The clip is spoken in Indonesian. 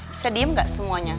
bisa diem gak semuanya